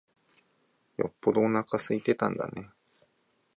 よっぽどおなか空いてたんだね。